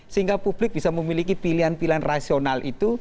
sehingga publik bisa memiliki pilihan pilihan rasional itu